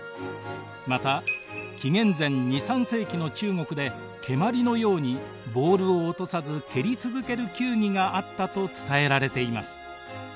また紀元前２３世紀の中国で蹴まりのようにボールを落とさず蹴り続ける球技があったと伝えられています。